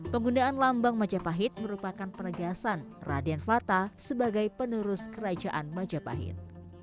penggunaan lambang majapahit merupakan penegasan raden fata sebagai penerus kerajaan majapahit